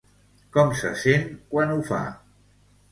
Com se sent quan ho fa?